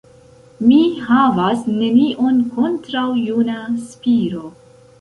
Mi havas nenion kontraŭ juna Spiro!